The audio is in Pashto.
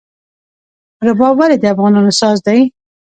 رباب ولې د افغانانو ساز دی؟